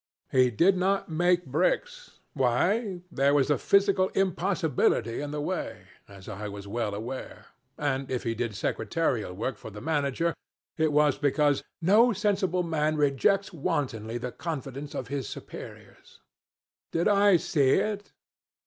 He did not make bricks why, there was a physical impossibility in the way as I was well aware; and if he did secretarial work for the manager, it was because 'no sensible man rejects wantonly the confidence of his superiors.' Did I see it?